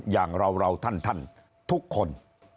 อย่างเราท่านทุกคน